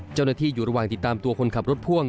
เจ้าหน้าที่อยู่ระหว่างติดตามตัวคนขับรถพ่วง